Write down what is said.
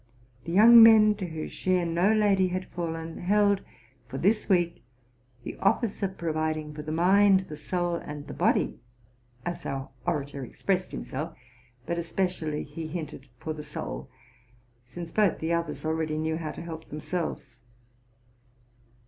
'The young men to whose share no lady had fallen, held, for this week, the office of providing for the mind, the soul, and the body, as our orator expressed himself, but especially, he hinted, for the soul, since both the others already knew how to help themselves.